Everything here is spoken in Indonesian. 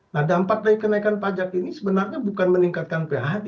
nah dampak dari kenaikan pajak ini sebenarnya bukan meningkatkan pria hati